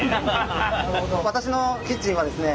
私のキッチンはですね